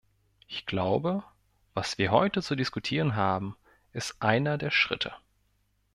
Ich glaube, was wir heute zu diskutieren haben, ist einer der Schritte.